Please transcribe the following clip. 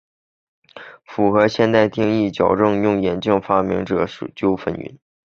符合现代定义的矫正用眼镜的发明者众说纷纭。